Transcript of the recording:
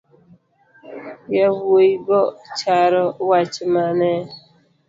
Yawuigo choro wach mane.